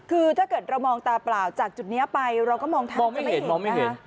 คือถ้าเกิดเรามองตาเปล่าจากจุดนี้ไปเราก็มองทางมองไม่เห็น